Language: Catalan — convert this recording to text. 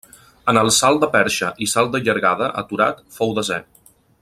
En el salt de perxa i salt de llargada aturat fou desè.